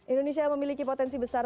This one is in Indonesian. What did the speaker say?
indonesia memiliki potensi besar